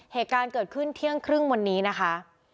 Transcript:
เหตุการณ์เกิดขึ้นเที่ยงครึ่งวันนี้นะคะ